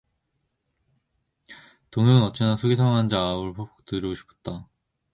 동혁은 어찌나 속이 상하는지 아우를 퍽퍽 두드려 주고 싶었다.